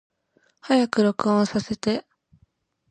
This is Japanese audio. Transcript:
早く録音させて